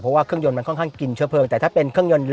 เพราะว่าเครื่องยนต์มันค่อนข้างกินเชื้อเพลิง